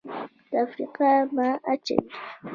تفرقه مه اچوئ